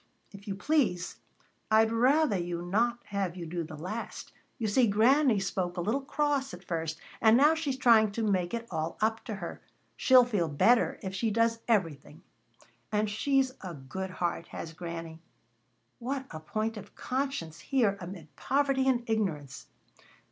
"If you please, I'd rather not have you do the last. You see Granny spoke a little cross at first, and now she's trying to make it all up to her. She'll feel better if she does everything; and she's a good heart, has Granny." What a point of conscience here amid poverty and ignorance!